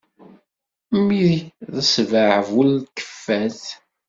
Mmi d ssbeɛ bu lkeffat.